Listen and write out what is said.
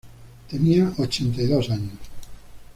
Tenía ochenta y dos años.